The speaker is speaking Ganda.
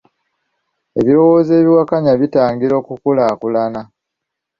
Ebirowozo ebiwakanya bitangira okukulaakulana.